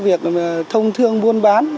việc thông thương buôn bán